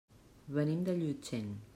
Venim de Llutxent.